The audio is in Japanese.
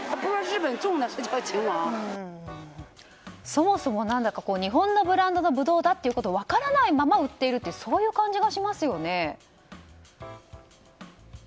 そもそも、日本のブランドのブドウだっていうことを分からないまま売っているというそういう感じがしますよね。